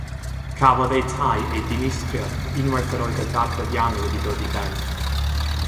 Cafodd eu tai eu dinistrio unwaith yr oedd y dadfeddiannu wedi dod i ben.